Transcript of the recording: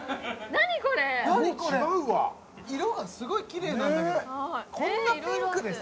何これ色がすごいキレイなんだけどこんなピンクですよ